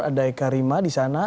ada eka rima di sana